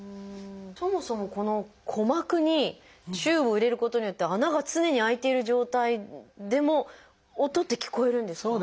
そもそもこの鼓膜にチューブを入れることによって穴が常に開いている状態でも音って聞こえるんですか？